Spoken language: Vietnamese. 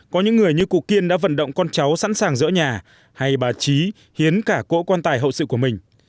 có những người như cụ kiên đã vận động con cháu sẵn sàng dỡ nhà hay bà trí hiến cả cỗ quan tài hậu sự của mình